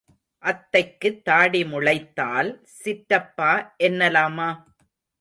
அத்தைக்குத் தாடி முளைத்தால் சிற்றப்பா என்னலாமா?